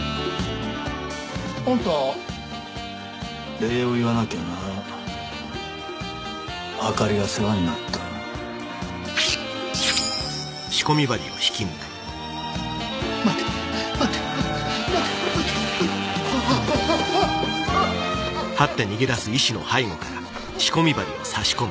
礼を言わなきゃなあかりが世話になった待って待ってあぁあぁあぁヒッ！